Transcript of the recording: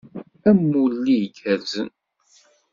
Amulli igerrzen.